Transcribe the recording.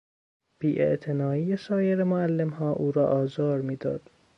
بی اعتنایی سایر معلمها او را آزار میداد.